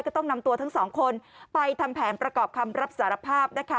ก็ต้องนำตัวทั้งสองคนไปทำแผนประกอบคำรับสารภาพนะคะ